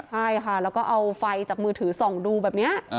ใช่ค่ะแล้วก็เอาไฟจากมือถือส่องดูแบบนี้